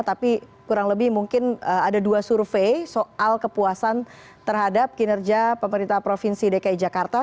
tapi kurang lebih mungkin ada dua survei soal kepuasan terhadap kinerja pemerintah provinsi dki jakarta